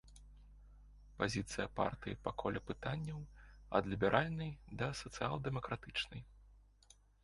Пазіцыя партыі па коле пытанняў, ад ліберальнай да сацыял-дэмакратычнай.